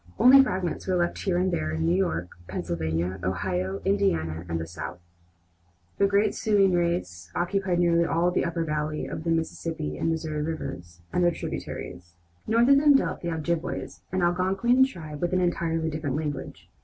Only fragments were left here and there, in New York, Pennsylvania, Ohio, Indiana, and the South. The great Siouan race occupied nearly all the upper valley of the Mississippi and Missouri rivers and their tributaries. North of them dwelt the Ojibways, an Algonquin tribe with an entirely different language.